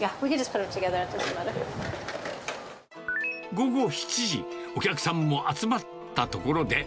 午後７時、お客さんも集まったところで。